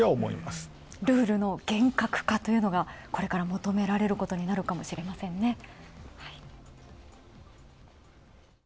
ルールの厳格化というのがこれからもとめられることになるかもしれませんね。